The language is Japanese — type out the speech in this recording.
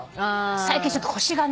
最近ちょっと腰がね。